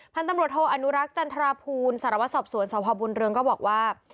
พันธุ์ตำรวจโทอนุรักษ์จันทราภูลสารวสอบสวนสพบุญเรืองก็บอกว่า